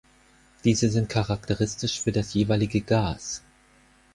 Diese sind charakteristisch für das jeweilige Gas.